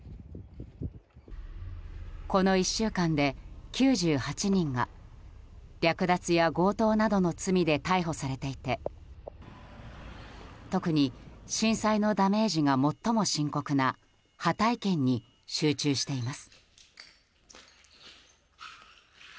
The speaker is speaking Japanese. この１週間で９８人が略奪や強盗などの罪で逮捕されていて特に震災のダメージが最も深刻なハタイ県に集中しています。